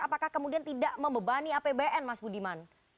apakah kemudian tidak membebani apbn mas budiman